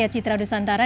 karyo citra nusantara